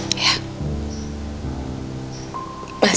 mama masih percaya sama yang namanya cinta